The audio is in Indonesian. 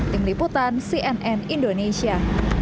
tim liputan cnn indonesia